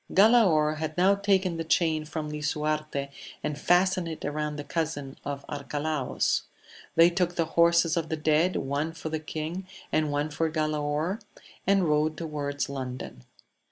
Galaor had now taken the chain from Lisuarte, an fastened it round the cousin of Arcalaus ; they too the horses of the dead, one for the king, and one fc Galaor, and rode towards London.